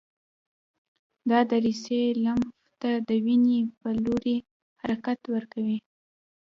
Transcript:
دا دریڅې لمف ته د وینې په لوري حرکت ورکوي.